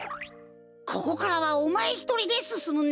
ここからはおまえひとりですすむんだ。